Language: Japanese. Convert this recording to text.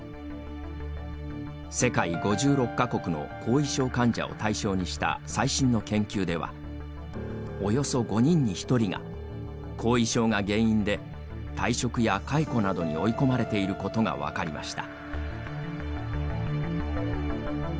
世界５６か国の後遺症患者を対象にした最新の研究ではおよそ５人に１人が後遺症が原因で退職や解雇などに追い込まれていることが分かりました。